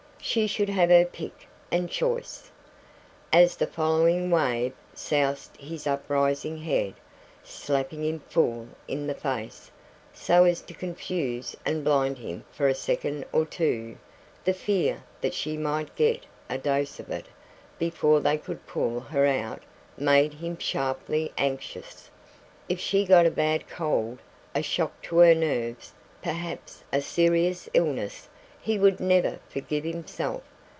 She should have her pick and choice. As the following wave soused his uprising head, slapping him full in the face, so as to confuse and blind him for a second or two, the fear that she might get "a dose of it" before they could pull her out made him sharply anxious. If she got a bad cold, a shock to her nerves, perhaps a serious illness, he would never forgive himself.